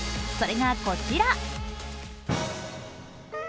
それがこちら。